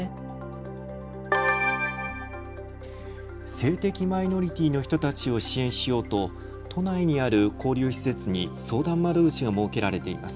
性的マイノリティーの人たちを支援しようと都内にある交流施設に相談窓口が設けられています。